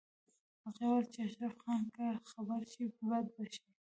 هغې وویل چې اشرف خان که خبر شي بد به شي